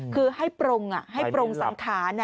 คือให้ปรงสังขาร